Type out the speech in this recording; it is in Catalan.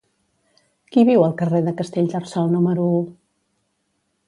Qui viu al carrer de Castellterçol número u?